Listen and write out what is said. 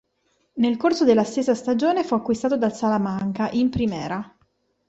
Nel corso della stessa stagione fu acquistato dal Salamanca, in Primera.